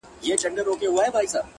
• ولي پردۍ مینې ته لېږو د جهاني غزل,